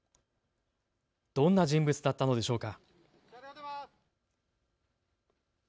どんな人物だったのでしょうか。